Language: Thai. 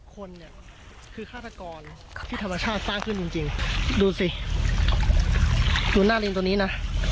คนเนี่ยคือฆาตกรที่ธรรมชาติสร้างขึ้นจริงดูสิดูหน้าลิงตัวนี้นะ